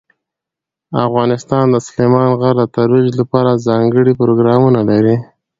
افغانستان د سلیمان غر د ترویج لپاره ځانګړي پروګرامونه لري.